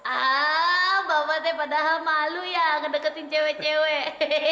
ah bapak saya padahal malu ya ngedeketin cewek cewek